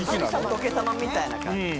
仏様みたいな感じ。